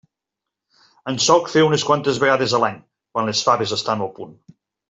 En solc fer unes quantes vegades a l'any, quan les faves estan al punt.